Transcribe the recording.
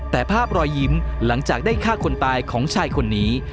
แต่ภาพรอยยิ้มหลังจากได้ฆ่าคนตายของชายคนนี้